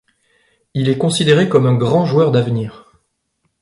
Il est considéré comme un grand joueur d'avenir.